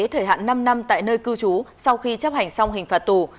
thời hạn năm năm tại nơi cư trú sau khi chấp hành xong hình phạt tù